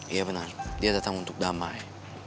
iya benar dia datang untuk damai